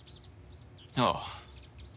ああ。